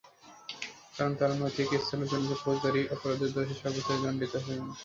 কারণ, তাঁরা নৈতিক স্খলনজনিত ফৌজদারি অপরাধে দোষী সাব্যস্ত হয়ে দণ্ডিত হননি।